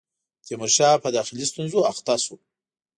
تیمورشاه په داخلي ستونزو اخته شو.